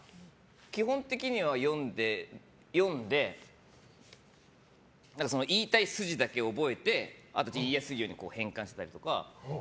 基本的には、読んで言いたい筋だけ覚えてあとで言いやすいように変換したりとか。